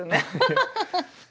ハハハハッ。